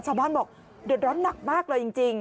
ชาวบ้านบอกเดือดร้อนหนักมากเลยจริง